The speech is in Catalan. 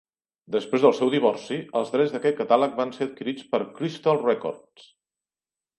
Després del seu divorci, els drets d'aquest catàleg van ser adquirits per Crystal records.